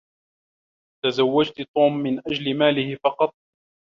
تزوّجتِ توم من أجل ماله فقط.